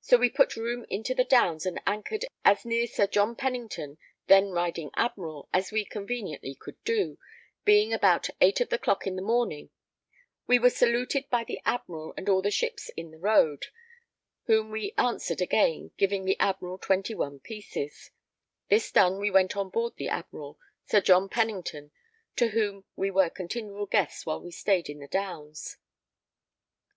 So we put room into the Downs and anchored as near Sir John Pennington, then riding Admiral, as we conveniently could do, being about 8 of the clock in the morning; we were saluted by the Admiral and all the ships in the road, whom we answered again, giving the Admiral 21 pieces. This done we went on board the Admiral, Sir John Pennington, to whom we were continual guests while we stayed in the Downs.